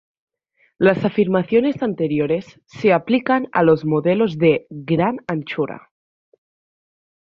Las afirmaciones anteriores se aplican a los modelos de "gran anchura".